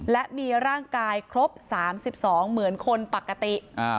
และมีร่างกายครบ๓๒เหมือนคนปกติ